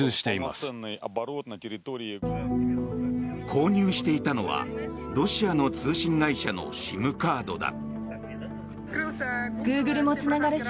購入していたのはロシアの通信会社のＳＩＭカードだ。